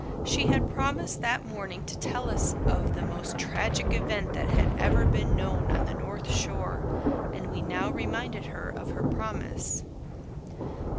She had promised that morning to tell us of "the most tragic event that had ever been known on the north shore," and we now reminded her of her promise.